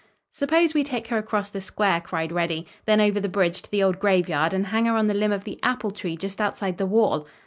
"Suppose we take her across the square," cried Reddy; "then over the bridge to the old graveyard and hang her on the limb of the apple tree just outside the wall?"